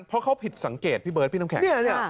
เพราะเขาผิดสังเกตพี่เบิร์ดพี่น้ำแขกเนี่ยเนี่ย